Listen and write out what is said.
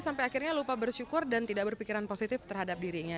sampai akhirnya lupa bersyukur dan tidak berpikiran positif terhadap dirinya